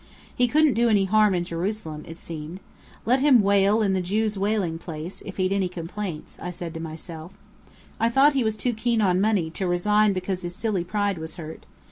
He couldn't do any harm in Jerusalem, it seemed. Let him wail in the Jews' Wailing Place, if he'd any complaints, said I to myself. I thought he was too keen on money to resign because his silly pride was hurt.